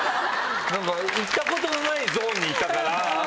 いったことのないゾーンにいったから。